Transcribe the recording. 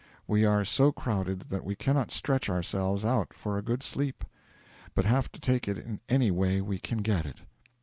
'We are so crowded that we cannot stretch ourselves out for a good sleep, but have to take it any way we can get it.'